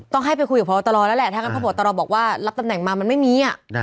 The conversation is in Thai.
ต้องให้ไปคุยกับพบตรแล้วแหละถ้างั้นพบตรบอกว่ารับตำแหน่งมามันไม่มี